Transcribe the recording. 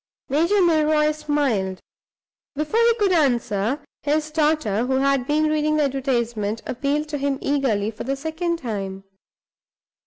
Major Milroy smiled. Before he could answer, his daughter, who had been reading the advertisement, appealed to him eagerly, for the second time.